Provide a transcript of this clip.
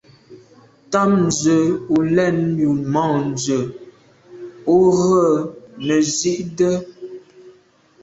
Tɑ́mə̀ zə ù lɛ̌nə́ yù môndzə̀ ú rə̌ nə̀ zí’də́.